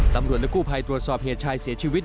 ตำรวจและกู้ภัยตรวจสอบเหตุชายเสียชีวิต